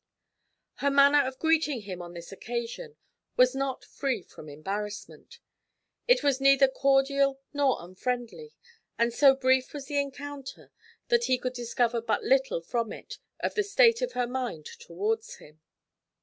Her manner of greeting him on this occasion was not free from embarrassment; it was neither cordial nor unfriendly, and so brief was the encounter that he could discover but little from it of the state of her mind towards him.